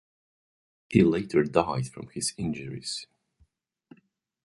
He later died from his injuries.